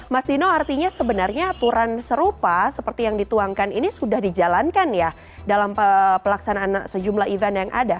mas dino artinya sebenarnya aturan serupa seperti yang dituangkan ini sudah dijalankan ya dalam pelaksanaan sejumlah event yang ada